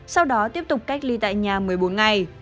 sau đó tiếp tục cách ly tại nhà một mươi bốn ngày